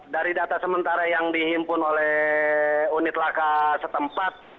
dari data sementara yang dihimpun oleh unit laka setempat